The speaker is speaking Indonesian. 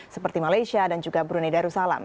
seperti malaysia dan juga brunei darussalam